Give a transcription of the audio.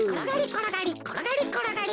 ころがりころがりころがり。